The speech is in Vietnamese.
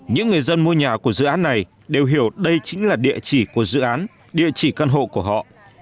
những người dân mua nhà của dự án này đều hiểu đây chính là địa chỉ của dự án địa chỉ căn hộ của họ